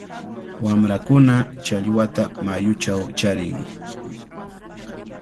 Wamrakuna challwata mayuchaw charin.